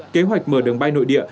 kế hoạch mở đường bay nội địa